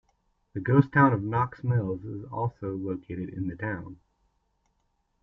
The ghost town of Knox Mills is also located in the town.